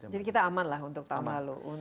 jadi kita aman lah untuk tahun lalu